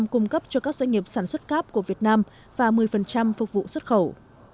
cung cấp cho các doanh nghiệp sản xuất cáp của việt nam và một mươi phục vụ xuất khẩu